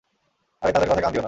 আরে তাদের কথায় কান দিয়ো না।